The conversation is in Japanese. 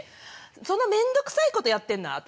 その面倒くさいことやってるのは私。